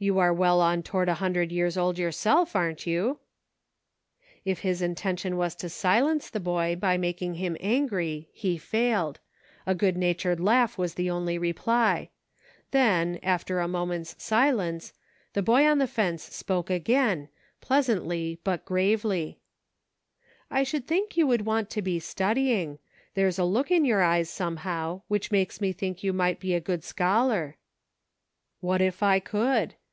You are well on toward a hundred years old yourself, aren't you .'" If his intention was to silence the boy by mak ing him angry, he failed ; a good natured laugh was the only reply ; then, after a moment's silence, the boy on the fence spoke again, pleasantly, yet gravely : "I should think you would want to be studying ; there's a look in your eyes somehow, which makes me think you might be a good scholar." •'What it i cc^jld